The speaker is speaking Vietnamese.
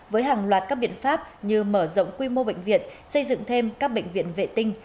với hàng loạt các biện pháp như mở rộng quy mô bệnh viện xây dựng thêm các bệnh viện vệ tinh